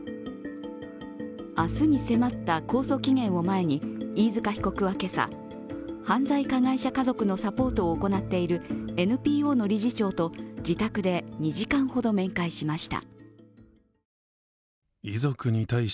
明日に迫った控訴期限を前に飯塚被告は今朝、犯罪加害者家族のサポートを行っているＮＰＯの理事長と自宅で２時間ほど面会しました。